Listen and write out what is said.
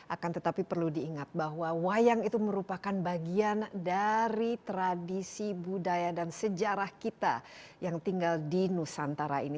akan tetapi perlu diingat bahwa wayang itu merupakan bagian dari tradisi budaya dan sejarah kita yang tinggal di nusantara ini